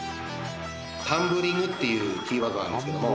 「タンブリングっていうキーワードなんですけども」